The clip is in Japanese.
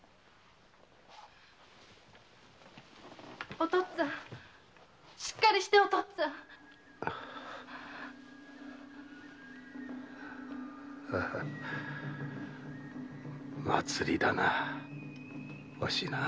お父っつぁんしっかりしてお父っつぁん祭りだなぁお品。